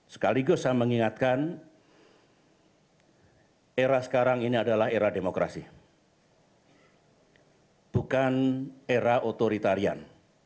sekaligus saya mengingatkan era sekarang ini adalah era demokrasi bukan era otoritarian